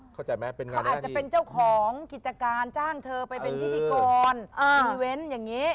เขาอาจจะเป็นเจ้าของกิจการจ้างเธอไปเป็นพิธีความรู้สึกมิเว้นต์แบบนี้